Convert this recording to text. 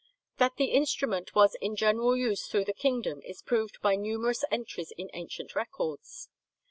That the instrument was in general use through the kingdom is proved by numerous entries in ancient records.